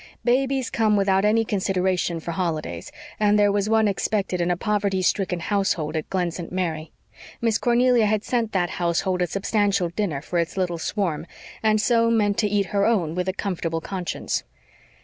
Babies come without any consideration for holidays, and there was one expected in a poverty stricken household at Glen St. Mary. Miss Cornelia had sent that household a substantial dinner for its little swarm, and so meant to eat her own with a comfortable conscience.